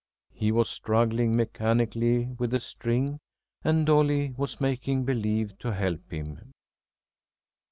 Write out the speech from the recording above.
He was struggling mechanically with the string, and Dolly was making believe to help him.